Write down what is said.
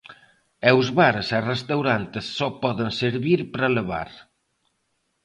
E os bares e restaurantes só poden servir para levar.